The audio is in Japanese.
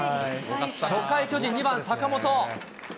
初回、巨人２番坂本。